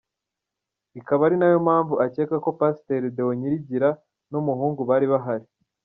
Ikaba ari na yo mpamvu akeka ko pasiteri Deo Nyirigira n’umuhungu bari bahari.